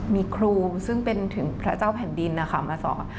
มีครูซึ่งเป็นถึงพระเจ้าแผ่นดินนะคะมาสอน